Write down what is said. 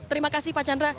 terima kasih pak candi